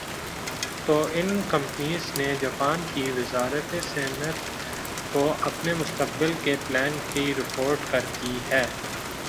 تو ان کمپنیز نےجاپان کی وزارت صنعت کو اپنے مستقبل کے پلان کی رپورٹ کر دی ھے